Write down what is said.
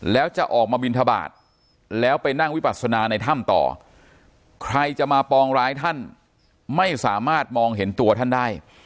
แล้วจะออกมาบินทบาทแล้วไปนั่งวิปัสนาในถ้ำต่อใครจะมาปองร้ายท่านไม่สามารถมองเห็นตัวท่านได้